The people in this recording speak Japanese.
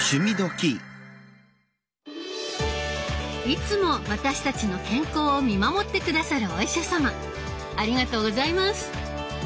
⁉いつも私たちの健康を見守って下さるお医者様ありがとうございます。